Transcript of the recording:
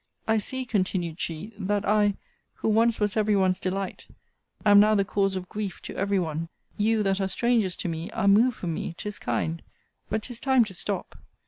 'I see, continued she, that I, who once was every one's delight, am now the cause of grief to every one you, that are strangers to me, are moved for me! 'tis kind! but 'tis time to stop.